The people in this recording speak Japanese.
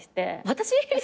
私！？